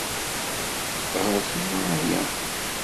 Ɣeṛ tura aya.